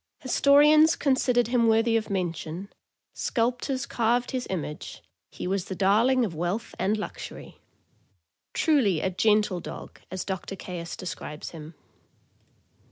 Historians considered him worthy of mention, sculptors carved his image, he was the darling of wealth and luxury; truly a "gentle dogge," as Doctor Caius describes him.